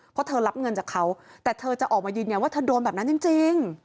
เพราะเธอรับเงินจากเขาแต่เธอจะออกมายืนยันว่าเธอโดนแบบนั้นจริง